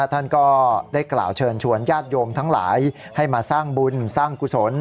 ท่านก็ได้กล่าวเชิญชวนญาติโยมทั้งหลายให้มาสร้างบุญสร้างกุศล